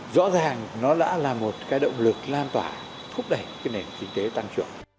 rõ ràng nó đã là một động lực lan tỏa thúc đẩy nền kinh tế tăng trưởng